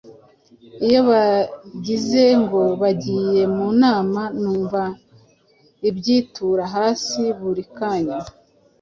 iyo bagize ngo bagiye munama numva ibyitura hasi buri kanya